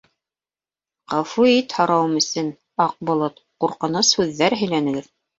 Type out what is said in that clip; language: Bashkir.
— Ғәфү ит һорауым өсөн, Аҡболот, ҡурҡыныс һүҙҙәр һөйләнегеҙ.